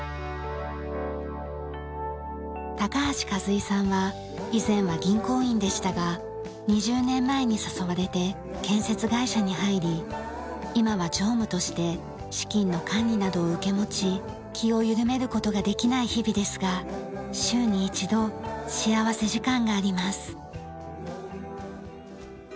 高橋一亥さんは以前は銀行員でしたが２０年前に誘われて建設会社に入り今は常務として資金の管理などを受け持ち気を緩める事ができない日々ですが週に一度幸福時間があります。